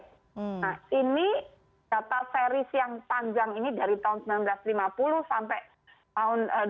nah ini data series yang panjang ini dari tahun seribu sembilan ratus lima puluh sampai tahun dua ribu